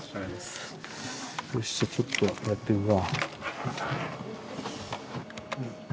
よしちょっとやってくか。